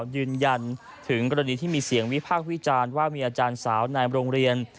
ยืนยันถึงกรณีที่มีเสียงวิพากษ์วิจารณ์ว่ามีอาจารย์สาวในโรงเรียน